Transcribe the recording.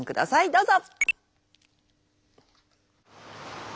どうぞ！